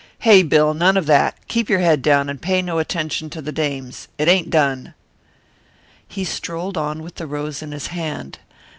"Hey, Bill, none of that! Keep your head down, and pay no attention to the dames. It ain't done." He strolled on with the rose in his hand.